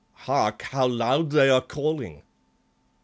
Hark, how loud they are calling!"